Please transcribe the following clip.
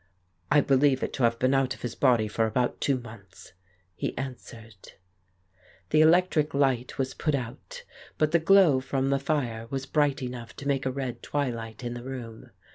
"I believe it to have been out of his body for about two months," he answered. The electric light was put out, but the glow from the fire was bright enough to make a red twilight in the room.